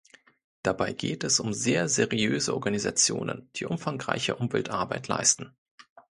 Dabei geht es um sehr seriöse Organisationen, die umfangreiche Umweltarbeit leisten.